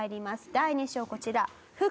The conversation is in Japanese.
第二章こちら。